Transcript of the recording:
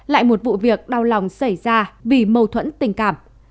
lại một vụ việc đau lòng xảy ra vì mâu thuẫn tình cảm